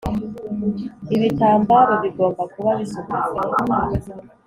Ibitambaro bigomba kuba bisukuye